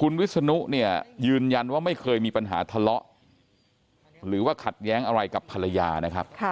คุณวิศนุเนี่ยยืนยันว่าไม่เคยมีปัญหาทะเลาะหรือว่าขัดแย้งอะไรกับภรรยานะครับ